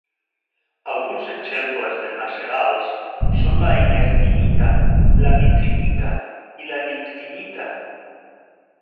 Alguns exemples de macerals són la inertinita, la vitrinita i la liptinita.